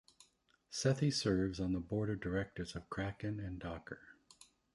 Sethi serves on the board of directors of Kraken and Docker.